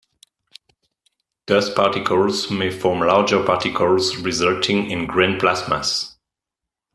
Dust particles may form larger particles resulting in "grain plasmas".